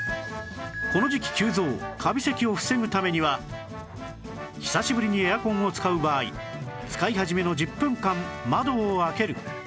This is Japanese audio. この時期急増カビ咳を防ぐためには久しぶりにエアコンを使う場合使い始めの１０分間窓を開ける